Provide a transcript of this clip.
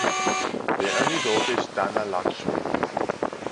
Their only daughter is Dhanalakshmi.